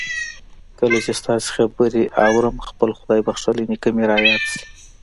کله چې ستاسې خبرې آورم خپل خدای بخښلی نېکه مې را یاد شي